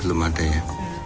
belum ada ya